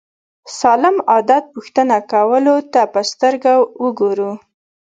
سالم عادت پوښتنه کولو ته په سترګه وګورو.